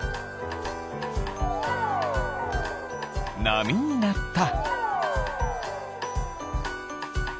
なみになった。